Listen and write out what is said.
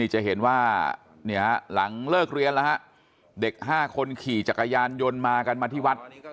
หลังเลิกเรียนแล้วเด็ก๕คนขี่จักรยานยนต์มากันมาที่วัด